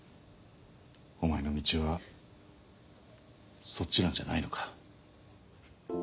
お前の道はそっちなんじゃないのか？